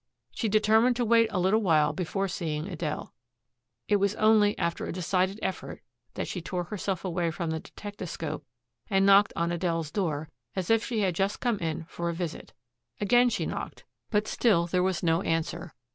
She determined to wait a little while before seeing Adele. It was only after a decided effort that she tore herself away from the detectascope and knocked on Adele's door as if she had just come in for a visit. Again she knocked, but still there was no answer.